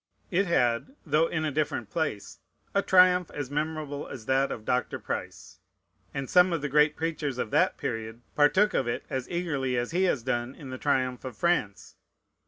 It had, though in a different place, a triumph as memorable as that of Dr. Price; and some of the great preachers of that period partook of it as eagerly as he has done in the triumph of France.